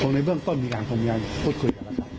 ตรงในเบื้องต้นมีการพูดคุยกับอาจารย์